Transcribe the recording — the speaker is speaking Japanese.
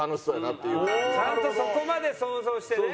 ちゃんとそこまで想像してね。